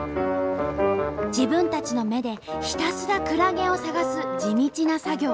自分たちの目でひたすらクラゲを探す地道な作業。